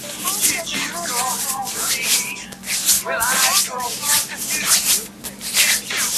Also, the number of, and identities of its operators, are kept secret.